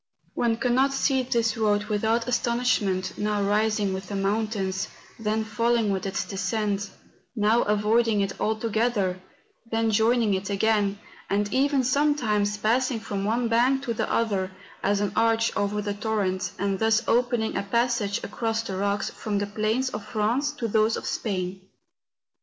One cannot see this road without astonishment, now rising with the mountains, then falling with its descent; now avoiding it altogether, then joining it again, and even sometimes passing from one bank to the other, as an arch over the torrent, and thus opening a passage across the rocks from the plains of France to those of Spain.